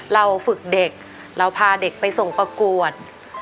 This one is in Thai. เราฝึกเด็กเราพาเด็กไปส่งประกวด